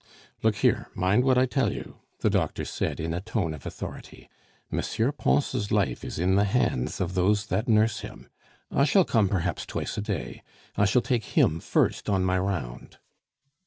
"Look here, mind what I tell you," the doctor said in a tone of authority, "M. Pons' life is in the hands of those that nurse him; I shall come perhaps twice a day. I shall take him first on my round."